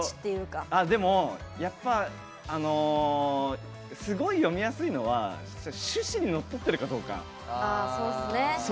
でもやっぱりすごい読みやすいのは趣旨にのっとってるかどうか。